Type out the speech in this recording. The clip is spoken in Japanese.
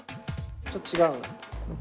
ちょっと違う。